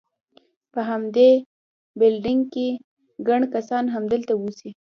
په همدې بلډینګ کې، ګڼ کسان همدلته اوسي.